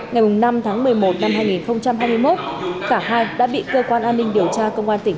ngày năm tháng một mươi một năm hai nghìn hai mươi một cả hai đã bị cơ quan an ninh điều tra công an tỉnh